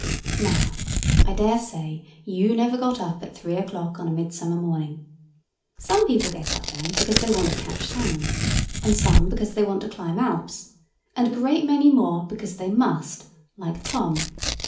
Now, I dare say, you never got up at three o'clock on a midsummer morning. Some people get up then because they want to catch salmon; and some because they want to climb Alps; and a great many more because they must, like Tom.